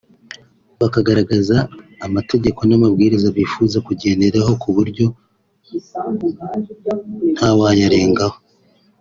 bakagaragaza amategeko n’amabwiriza bifuza kugenderaho ku buryo ntawayarengaho